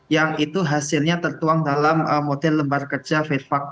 yang itu hasilnya tertuang dalam model lembar kerja vevac